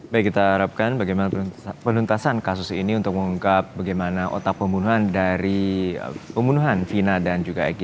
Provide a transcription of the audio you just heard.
baik kita harapkan bagaimana penuntasan kasus ini untuk mengungkap bagaimana otak pembunuhan dari pembunuhan vina dan juga egy